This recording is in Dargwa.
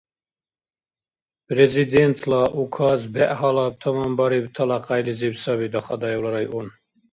Президентла Указ бегӀ гьалаб таманбарибтала къяйлизиб саби Дахадаевла район.